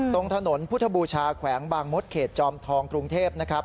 ตรงถนนพุทธบูชาแขวงบางมดเขตจอมทองกรุงเทพนะครับ